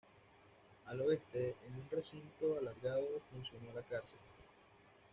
Al oeste, en un recinto alargado, funcionó la cárcel.